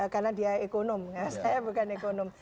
karena dia ekonom saya bukan ekonom